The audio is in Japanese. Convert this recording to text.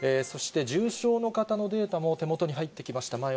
そして重症の方のデータも手元に入ってきました。